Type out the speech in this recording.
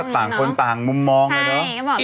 ต่างคนต่างมุมมองเลยเนอะ